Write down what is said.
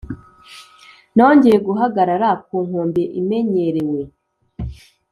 nongeye guhagarara ku nkombe imenyerewe,